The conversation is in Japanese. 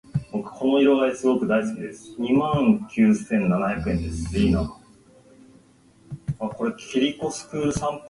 教科書を忘れた人は名乗り出てください。